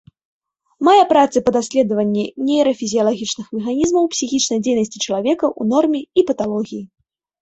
Мае працы па даследаванні нейрафізіялагічных механізмаў псіхічнай дзейнасці чалавека ў норме і паталогіі.